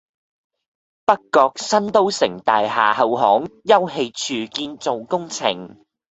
北角新都城大廈後巷休憩處建造工程